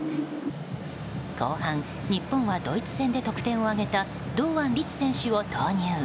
後半、日本はドイツ戦で得点を挙げた堂安律選手を投入。